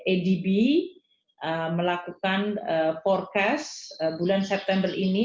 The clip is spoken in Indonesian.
adb melakukan forecast bulan september ini